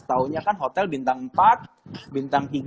taunya kan hotel bintang empat bintang tiga